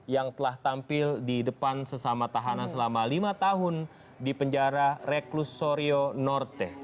yang telah tampil di depan sesama tahanan selama lima tahun di penjara reklusorio norte